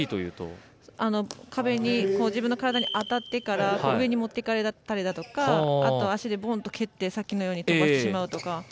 壁に自分の体に当たってから上に持っていかれたりだとかあと足で蹴って、さっきみたいに飛ばしてしまうとか。